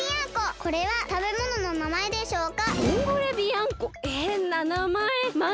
これはたべものの名前でしょうか？